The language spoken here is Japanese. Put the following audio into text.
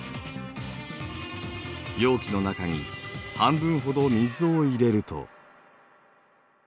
容器の中に半分ほど水を入れると。